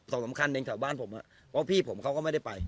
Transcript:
สำคัญเองแถวบ้านผมเพราะพี่ผมเขาก็ไม่ได้ไป